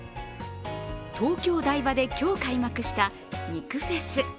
東京・台場で今日、開幕した肉フェス。